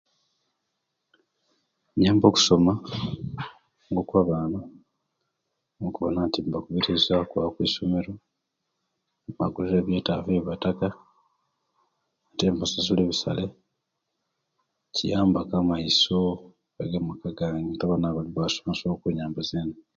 Nyamba okusoma okwa bana inina okuwona inti nbakomentwreza okwaba kwisomero nibagulira ebyetavu ebibka ate nbasasula ebisale kiaymba ku emaiso yamaka gange kubanga abaana bange baba basomere basobola okuyamba zena